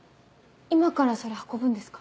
今からそれ運ぶんですか？